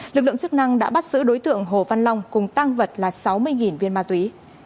lực lượng chức năng đã bắt giữ đối tượng hồ văn long cùng tăng vật là sáu mươi viên ma túy